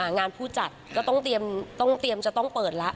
งานผู้จัดก็ต้องเตรียมจะต้องเปิดแล้ว